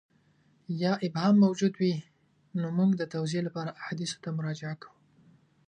یا ابهام موجود وي نو موږ د توضیح لپاره احادیثو ته مراجعه کوو.